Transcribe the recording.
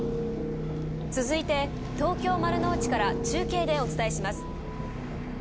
続いて東京・丸の内から中継でお伝えします。